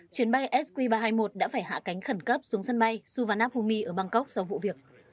chuyến bay sq ba trăm hai mươi một đã phải hạ cánh khẩn cấp xuống sân bay suvarnabhumi ở bangkok sau vụ việc